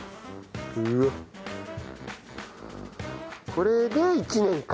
これで１年か。